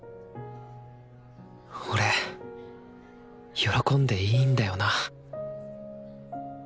俺喜んでいいんだよな